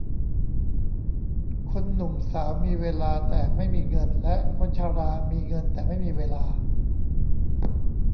คนหนุ่มสาวมีเวลาแต่ไม่มีเงิน และคนชรามีเงินแต่ไม่มีเวลา